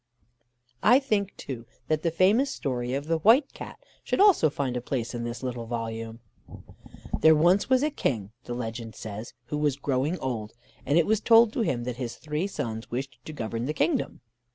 I think, too, that the famous story of the White Cat should also find a place in this little volume: There once was a King, the legend says, who was growing old, and it was told to him that his three sons wished to govern the kingdom.